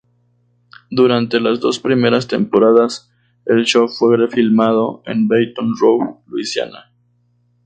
Durante las dos primeras temporadas, el show fue filmado en Baton Rouge, Louisiana.